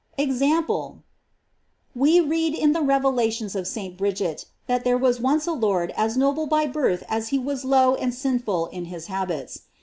EXAMPLE We read in the revelations of St. Bridget,* that there was once a lord as noble by birth as he was low and sinful in his habits.